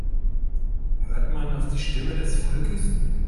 Hört man auf die Stimme des Volkes?